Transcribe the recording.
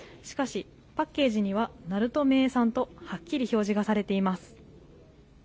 しかし、パッケージには鳴門名産とはっきり表示がされています。